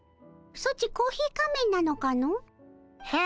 ソチコーヒー仮面なのかの？へ？